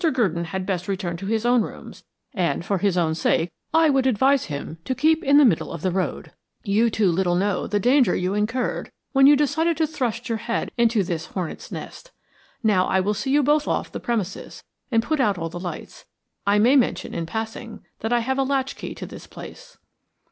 Gurdon had best return to his own rooms; and, for his own sake, I would advise him to keep in the middle of the road. You two little know the danger you incurred when you decided to thrust your head into this hornet's nest. Now I will see you both off the premises and put out all the lights. I may mention in passing that I have a latchkey to this place."